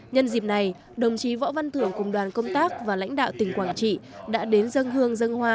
nhân dịp này đồng chí võ văn thưởng cùng đoàn công tác và lãnh đạo tỉnh quảng trị đã đến dân hương dân hoa